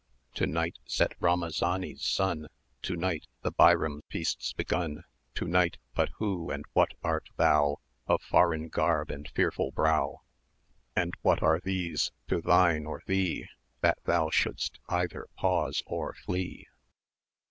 To night, set Rhamazani's sun; To night, the Bairam feast's begun; To night but who and what art thou 230 Of foreign garb and fearful brow? And what are these to thine or thee, That thou shouldst either pause or flee?